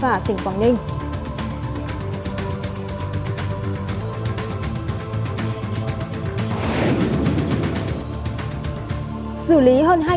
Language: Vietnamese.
xử lý hơn hai phương tiện vi phạm trong tháng một mươi